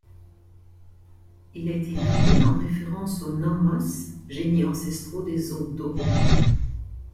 Il a été nommé en référence aux nommos, génies ancestraux des eaux dogons.